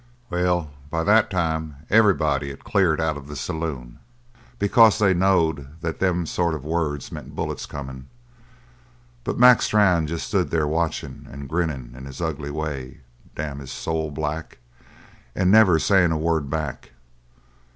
"Well, by that time everybody had cleared out of the saloon, because they knowed that them sort of words meant bullets comin'. But Mac Strann jest stood there watchin', and grinnin' in his ugly way damn his soul black! and never sayin' a word back.